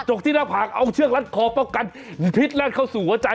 กที่หน้าผากเอาเชือกรัดคอป้องกันพิษแล่นเข้าสู่หัวใจ